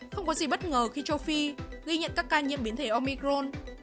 không có gì bất ngờ khi châu phi ghi nhận các ca nhiễm biến thể omicron